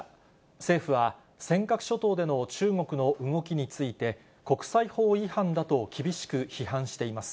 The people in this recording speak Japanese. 政府は、尖閣諸島での中国の動きについて、国際法違反だと厳しく批判しています。